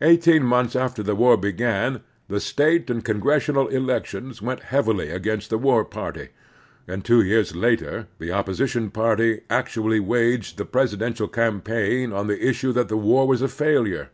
Eighteen months after the war began the state and congressional elections went heavily against the war party, and two years later the opposition party actually waged the Presidential campaign on the issue that the war was a failure.